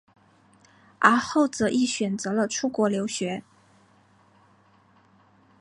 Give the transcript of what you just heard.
而后者亦选择了出国留学。